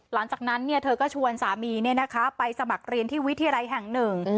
หลังจากนั้นเธอก็ชวนสามีไปสมัครเรียนที่วิทยาลัยแห่งหนึ่ง